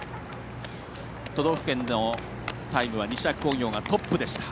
都道府県のタイムは西脇工業がトップでした。